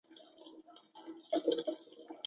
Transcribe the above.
د سارايي ګلونو پښو ته لویږې